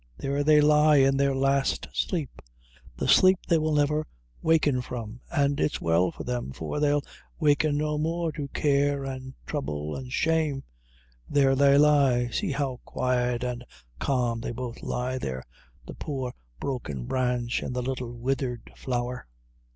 there they lie in their last sleep the sleep that they will never waken from! an' it's well for them, for they'll waken no more to care an' throuble, and shame! There they lie! see how quiet an' calm they both lie there, the poor broken branch, an' the little withered flower!"